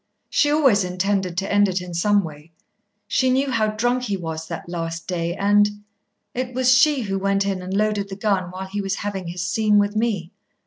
She always intended to end it in some way. She knew how drunk he was that last day, and It was she who went in and loaded the gun while he was having his scene with me.